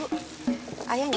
ayah gak ngerti